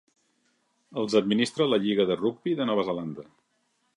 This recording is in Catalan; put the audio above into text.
Els administra la lliga de rugbi de Nova Zelanda.